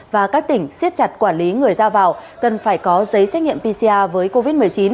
và các tỉnh siết chặt quản lý người ra vào cần phải có giấy xét nghiệm pcr với covid một mươi chín